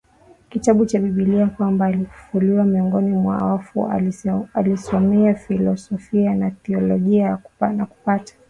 kitabu cha bibilia kwamba alifufuliwa miongoni mwa wafuAlisomea filosofia na thiolojia na kupata